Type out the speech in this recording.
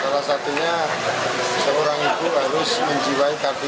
salah satunya seorang ibu harus menjiwai kartu